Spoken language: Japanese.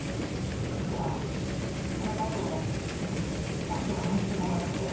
ですから花川戸の元締に何とか話つけてもらいたくて。